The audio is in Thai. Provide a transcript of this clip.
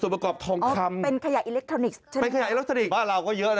เป็นขยะอิเล็กทรอนิกส์